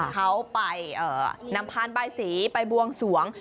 เขาไปนำพานบายสีไปบวงสวง